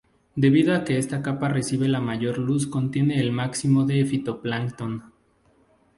Debido a que esta capa recibe la mayor luz contiene el máximo de fitoplancton.